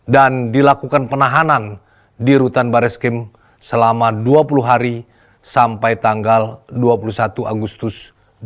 dan dilakukan penahanan di rutan baris kim selama dua puluh hari sampai tanggal dua puluh satu agustus dua ribu dua puluh tiga